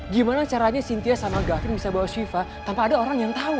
gimana caranya sintia sama gafin bisa bawa siva tanpa ada orang yang tahu